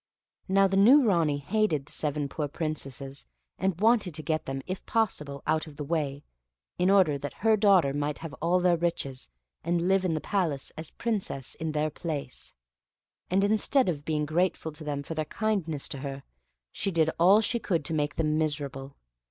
Now the new Ranee hated the seven poor Princesses, and wanted to get them, if possible, out of the way, in order that her daughter might have all their riches, and live in the palace as Princess in their place; and instead of being grateful to them for their kindness to her, she did all she could to make them miserable.